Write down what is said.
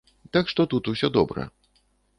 Так што тут усё добра.